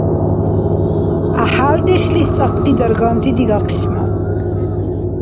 ГӀяхӀялдешлис цӀакьти дарганти дигахъис наб